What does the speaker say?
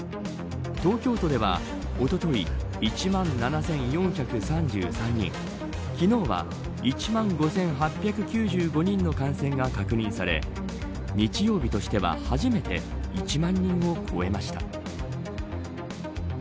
東京都では、おととい１万７４３３人昨日は１万５８９５人の感染が確認され日曜日としては初めて１万人を超えました。